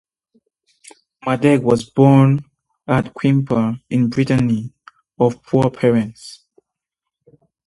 Madec was born at Quimper in Brittany of poor parents.